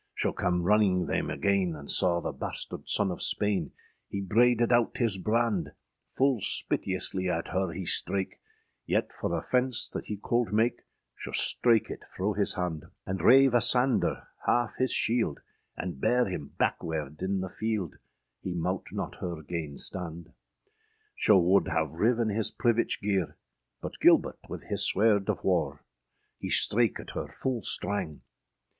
Scho cam runnyng thayme agayne, And saw the bastarde sonne of Spaine, Hee brayded owt hys brande; Ful spiteouslie at her hee strake, Yet for the fence that he colde make, Scho strake it fro hys hande, And rave asander half hys sheelde, And bare hym backwerde in the fielde, Hee mought not her gainstande. Scho wolde hav riven hys privich geare, But Gilbert wyth hys swerde of warre, Hee strake at her ful strang.